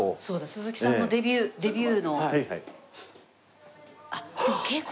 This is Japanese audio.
鈴木さんのデビュー。